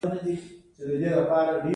هغې د زړه له کومې د ګلونه ستاینه هم وکړه.